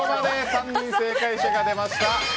３人正解者が出ました。